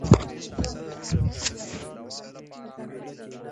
ما ورته وویل: نه په باکوس به قسم نه راکوې.